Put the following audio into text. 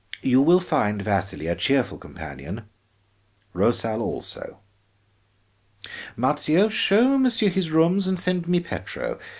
You will find Vasili a cheerful companion, Rosal also. Marzio, show monsieur his rooms and send me Petro.